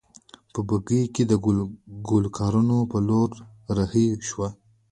په بګۍ کې د لوکارنو په لور رهي شوو.